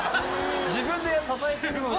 自分で支えてるのに。